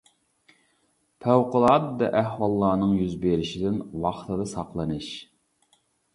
پەۋقۇلئاددە ئەھۋاللارنىڭ يۈز بېرىشىدىن ۋاقتىدا ساقلىنىش.